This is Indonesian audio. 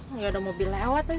gak ada mobil lewat lagi